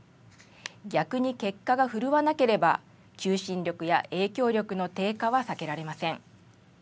逆に結果が振るわなければ、求心力や影響力の低下は避けられません。